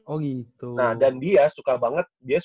oh gitu nah dan dia suka banget